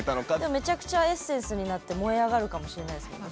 めちゃくちゃエッセンスになって燃え上がるかもしれないですもんね。